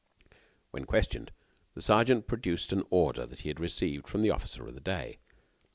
When questioned, the sergeant produced an order that he had received from the officer of the day.